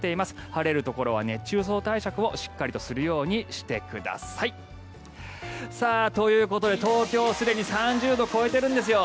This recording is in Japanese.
晴れるところは熱中症対策をしっかりとするようにしてください。ということで東京、すでに３０度超えているんですよ。